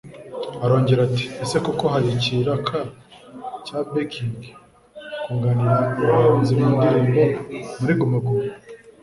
Arongera ati ese ko hari ikiraka cya becking (kunganira abahanzi mu ndirimbo)muri Guma Guma